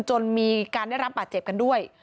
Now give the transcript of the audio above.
จนมีการได้รับบาดเจ็บกันด้วย